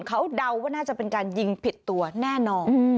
เขาเดาว่าน่าจะเป็นการยิงผิดตัวแน่นอน